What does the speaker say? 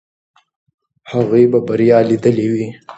هغوی به بریا لیدلې وي.